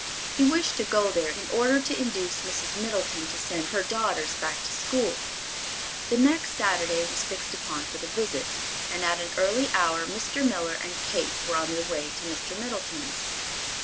He wished to go there in order to induce Mrs. Middleton to send her daughters back to school. The next Saturday was fixed upon for the visit, and at an early hour Mr. Miller and Kate were on their way to Mr. Middleton's.